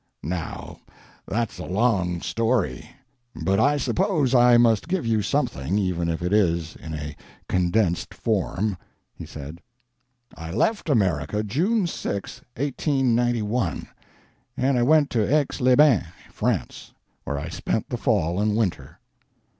"Now, that's a long story, but I suppose I must give you something, even if it is in a condensed form," he said. "I left America June 6, 1891, and went to Aix les Bains, France, where I spent the fall and winter.